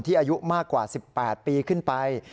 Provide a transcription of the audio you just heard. อายุมากกว่า๑๘ปีขึ้นไป